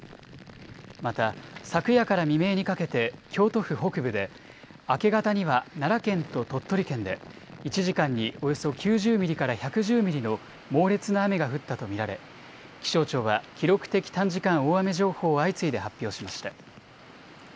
また、昨夜から未明にかけて京都府北部で明け方には奈良県と鳥取県で、１時間におよそ９０ミリから１１０ミリの猛烈な雨が降ったと見られ、気象庁は、記録的短時間大雨情報を相次いで発表しました。